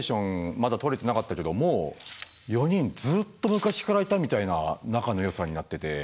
まだ取れてなかったけどもう４人ずっと昔からいたみたいな仲の良さになってて。